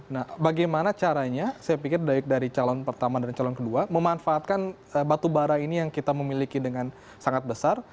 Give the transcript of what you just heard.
nah bagaimana caranya saya pikir dari calon pertama dan calon kedua memanfaatkan batu bara ini yang kita memiliki dengan sangat besar